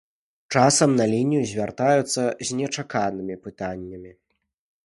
Часам на лінію звяртаюцца з нечаканымі пытаннямі.